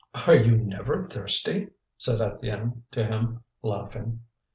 "Are you never thirsty?" said Étienne to him, laughing.